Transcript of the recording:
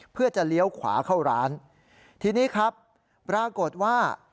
เพื่อจะเลี้ยวขวาเข้าร้านทีนี้ครับปรากฏว่า